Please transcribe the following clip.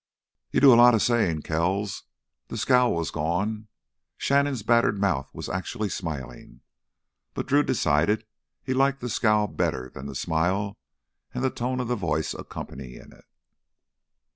"You do a lotta sayin', Kells." The scowl was gone; Shannon's battered mouth was actually smiling. But, Drew decided, he liked the scowl better than the smile and the tone of the voice accompanying it.